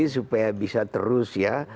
supaya bisa terus ya